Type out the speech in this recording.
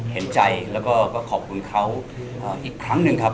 เห็นใจแล้วก็ขอบคุณเขาอีกครั้งหนึ่งครับ